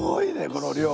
この量。